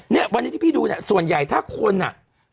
เนี่ยวันนี้ที่พี่ดูเนี่ยส่วนใหญ่ถ้าคนอ่ะ